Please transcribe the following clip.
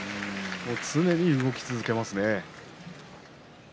常に動き続けますね。